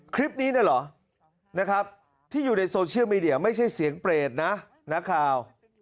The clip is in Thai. คลิปนี้เนี่ยเหรอนะครับที่อยู่ในโซเชียลมีเดียไม่ใช่เสียงเปรตนะนักข่าว